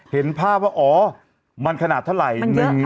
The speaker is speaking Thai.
เห็นภาพว่าอ๋อมันขนาดเท่าไหร่